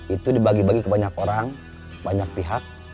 itu dibagi bagi ke banyak orang banyak pihak